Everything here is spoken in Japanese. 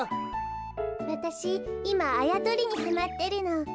わたしいまあやとりにはまってるの。